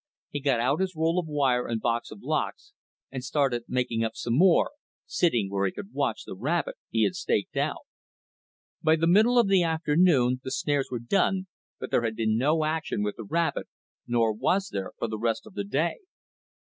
He got out his roll of wire and box of locks and started making up some more, sitting where he could watch the rabbit he had staked out. By the middle of the afternoon the snares were done, but there had been no action with the rabbit, nor was there for the rest of the day.